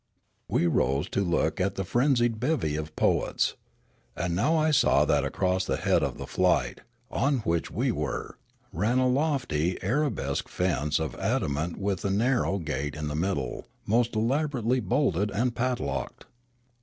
We rose to look at the frenzied bev} of poets. And now I saw that across the head of the flight, on which we were, ran a lofty arabesque fence of adamant with a narrow gate in the middle most elaborately bolted and padlocked.